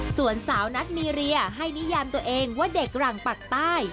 ส่วนสาวนัทมีเรียให้นิยามตัวเองว่าเด็กหลังปักใต้